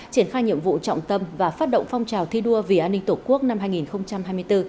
triển khai nhiệm vụ trọng tâm và phát động phong trào thi đua vì an ninh tổ quốc năm hai nghìn hai mươi bốn